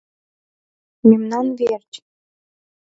— Мемнан верч?